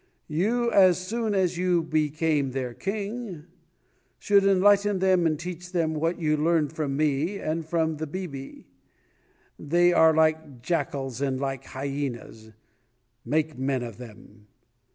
You, as soon as you became their king, should enlighten them and teach them what you learned from me and from the 'bibi' They are like jackals and like hyenas make men of them.